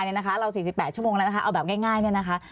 เรา๔๘ชั่วโมงแล้วนะคะเอาแบบง่ายเนี่ยนะคะ